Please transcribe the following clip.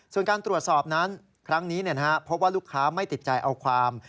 ส่วนการตรวจสอบนั้นครั้งนี้พบว่าลูกค้าไม่ติดใจเอาความ